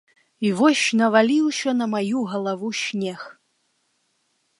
І вось наваліўся на маю галаву снег.